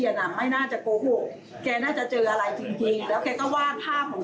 คนใส่น้ากากนี้หรือเปล่าเราคิดอย่างนั้น